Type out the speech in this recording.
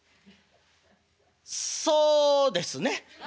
「そうですね。